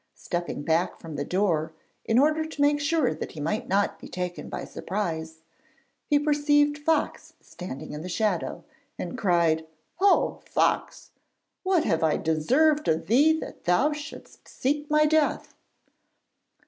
Stepping back from the door in order to make sure that he might not be taken by surprise, he perceived Fox standing in the shadow, and cried 'O Fox, what have I deserved of thee that thou shouldst seek my death?'